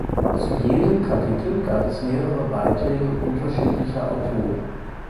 Zu jedem Kapitel gab es mehrere Beiträge unterschiedlicher Autoren.